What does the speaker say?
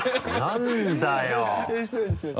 何だよ！